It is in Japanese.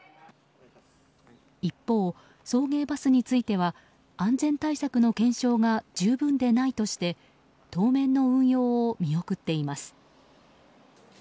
一方、送迎バスについては安全対策の検証が十分でないとして当面の運用を見送っています。